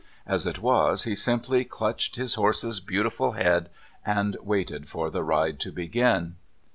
As it was, he simply clutched his horse's beautiful head and waited for the ride to begin...